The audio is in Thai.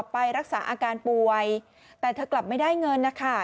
ไปรักษาอาการป่วยแต่เธอกลับไม่ได้เงินนะคะ